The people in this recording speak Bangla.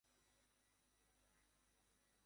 এটি দেশের দ্রুত বর্ধনশীল জেলাগুলির একটি।